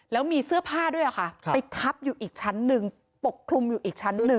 แล้วมีเสื้อผ้าด้วยค่ะไปทับอยู่อีกชั้นหนึ่งปกคลุมอยู่อีกชั้นหนึ่ง